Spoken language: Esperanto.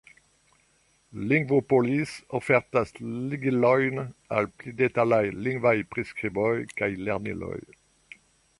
Lingvopolis ofertas ligilojn al pli detalaj lingvaj priskriboj kaj lerniloj.